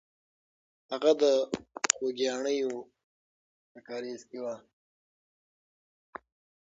هغه د خوګیاڼیو په کارېز کې وه.